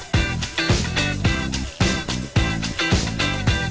ขอบคุณมากครับ